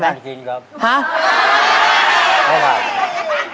ไม่ทันทิ้งครับ